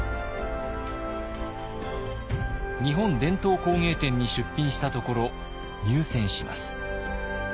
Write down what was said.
日本伝統工芸展に出品したところ入選します。